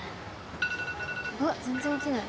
うわっ全然起きない。